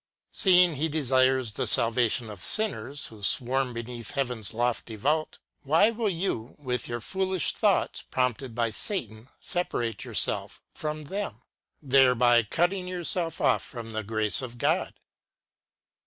" Seeing He desires the salvation of sinners, who swarm beneath heaven's lofty vault, why will you with your foolish thoughts prompted by Satan separate yourself from them, thereby cutting yourself off from the grace of God